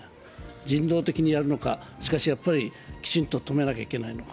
人道的にやるのかしかしやっぱりきちんと止めなきゃいけないのか。